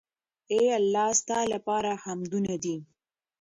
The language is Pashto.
اې الله ! ستا لپاره حمدونه دي